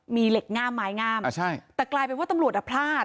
มีเหล็กง่ามไม้งามอ่าใช่แต่กลายเป็นว่าตำรวจอ่ะพลาด